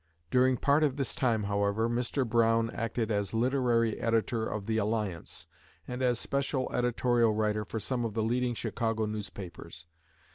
During part of this time, however, Mr. Browne acted as literary editor of "The Alliance," and as special editorial writer for some of the leading Chicago newspapers.